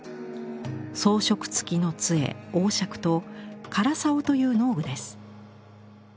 装飾つきの杖「王笏」と「殻竿」という農具です。